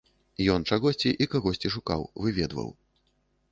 Ён чагосьці і кагосьці шукаў, выведваў.